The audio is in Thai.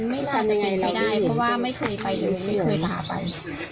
ไม่น่าจะเป็นไม่ได้เพราะว่าไม่เคยไปไม่เคยพาไป